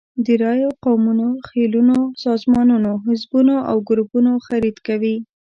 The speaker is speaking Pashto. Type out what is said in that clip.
د رایو، قومونو، خېلونو، سازمانونو، حزبونو او ګروپونو خرید کوي.